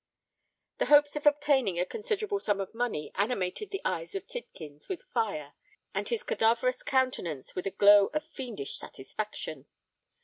The hopes of obtaining a considerable sum of money animated the eyes of Tidkins with fire and his cadaverous countenance with a glow of fiendish satisfaction.